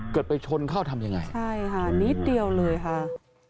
ไปชนเข้าทำยังไงใช่ค่ะนิดเดียวเลยค่ะ